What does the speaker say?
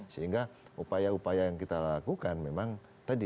sehingga upaya upaya yang kita lakukan memang tadi